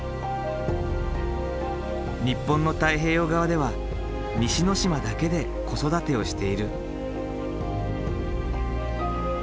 日本の太平洋側では西之島だけで子育てをしている。